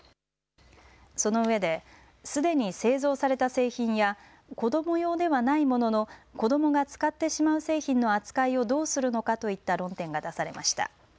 そのうえですでに製造された製品や子ども用ではないものの子どもが使ってしまう製品の扱いをどうするのかといった論点が出されました。